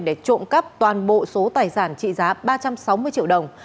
để trộm cắp toàn bộ số tài sản trị giá ba trăm sáu mươi triệu đồng